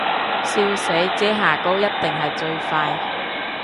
笑死，遮瑕膏一定係最快